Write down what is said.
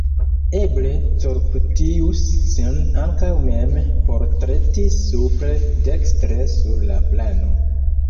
Eble Corputius sin ankaŭ mem portretis supre dekstre sur la plano.